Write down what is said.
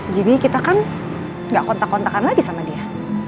jadi kita kan gak kontak kontakan lagi sama dia